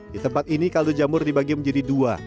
di tempat ini kaldu jamur dibagi menjadi dua